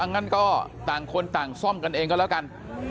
งั้นก็ต่างคนต่างซ่อมกันเองก็แล้วกัน